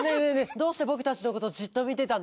どうしてぼくたちのことじっとみてたの？